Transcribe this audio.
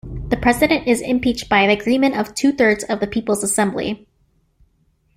The President is impeached by the agreement of two-thirds of the People's Assembly.